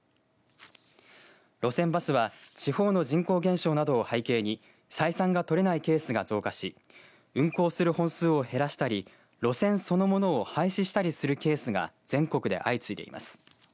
路線バスは地方の人口減少などを背景に採算が取れないケースが増加し運行する本数を減らしたり路線そのものを廃止したりするケースが全国で相次いでいます。